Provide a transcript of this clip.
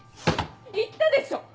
言ったでしょ！